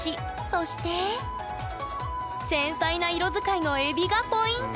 そして繊細な色使いのえびがポイント！